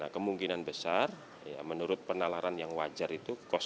kemungkinan besar menurut penalaran yang wajar itu